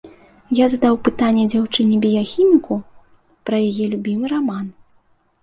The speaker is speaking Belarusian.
Я задаў пытанне дзяўчыне-біяхіміку пра яе любімы раман.